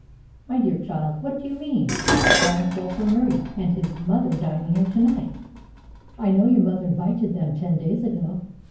"My dear child, what do you mean? Why, aren't Walter Murie and his mother dining here to night? I know your mother invited them ten days ago."